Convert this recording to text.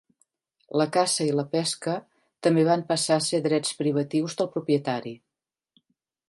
La caça i la pesca també van passar a ser drets privatius del propietari.